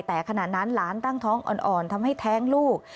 แต่ขณะนั้นหลานตั้งท้องอ่อนทำให้แท้งลูก